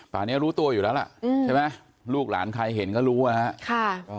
ป่านี้รู้ตัวอยู่แล้วล่ะใช่ไหมลูกหลานใครเห็นก็รู้นะครับ